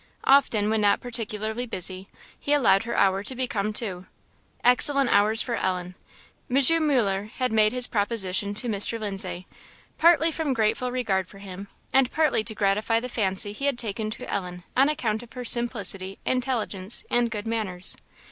Often when not particularly busy, he allowed her hour to become two. Excellent hours for Ellen. M. Muller had made his proposition to Mr. Lindsay, partly from grateful regard for him, and partly to gratify the fancy he had taken to Ellen on account of her simplicity, intelligence, and good manners.